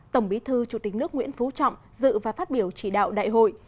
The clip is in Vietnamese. tổng bí thư chủ tịch nước nguyễn phú trọng dự và phát biểu chỉ đạo đại hội